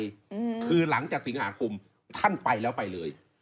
อืมคือหลังจากสิงหาคมท่านไปแล้วไปเลย